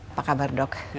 apa kabar dok